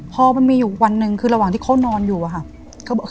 พอมันมีอยู่วันหนึ่งคือระหว่างที่เขานอนอยู่อะค่ะ